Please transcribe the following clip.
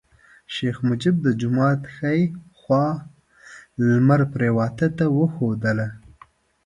شیخ مجید د جومات ښی خوا لمر پریواته ته وښودله.